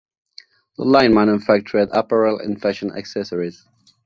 The line manufactured apparel and fashion accessories.